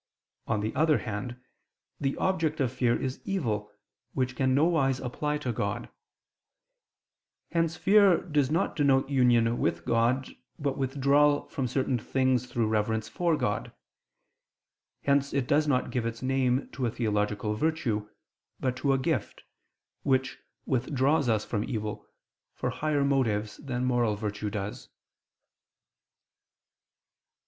On the other hand, the object of fear is evil, which can nowise apply to God: hence fear does not denote union with God, but withdrawal from certain things through reverence for God. Hence it does not give its name to a theological virtue, but to a gift, which withdraws us from evil, for higher motives than moral virtue does.